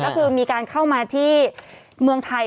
ก็คือมีการเข้ามาที่เมืองไทย